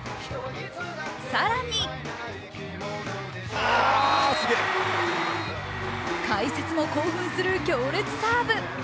更に解説も興奮する強烈サーブ。